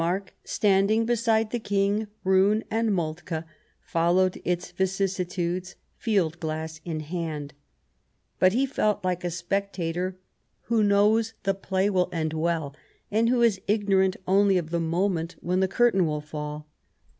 arck, standing beside the King, Roon and Moltke, followed its vicissitudes, field glass in hand ; but he felt like a spectator who knows the play will end well, and who is ignorant only of the moment when the curtain will fall.